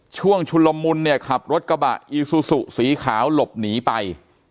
ชุลมุนเนี่ยขับรถกระบะอีซูซูสีขาวหลบหนีไป